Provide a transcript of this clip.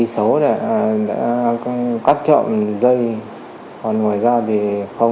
y số để cắt trộn dây còn ngoài ra thì không